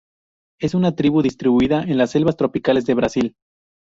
Es una tribu distribuida en las selvas tropicales de Brasil.